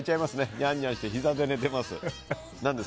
にゃんにゃんしてひざで寝てます。